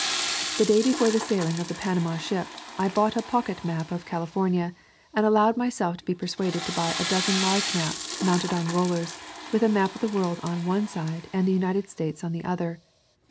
The day before the sailing of the Panama ship I bought a pocket map of California and allowed myself to be persuaded to buy a dozen large maps, mounted on rollers, with a map of the world on one side and the United States on the other.